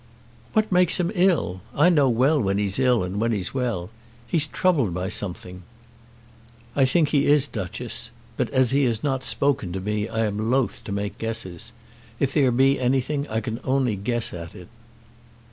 "What makes him ill? I know well when he's ill and when he's well. He's troubled by something." "I think he is, Duchess. But as he has not spoken to me I am loath to make guesses. If there be anything, I can only guess at it."